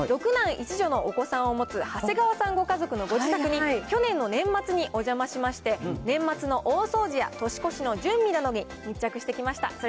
６男１女のお子さんを持つ長谷川さんご家族のご自宅に、去年の年末にお邪魔しまして、年末の大掃除や年越しの準備などに密着してきました。